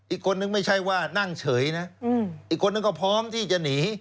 อีกคนนึงไม่ใช่ว่านั่งเฉยนะอีกคนนึงก็พร้อมที่จะหนี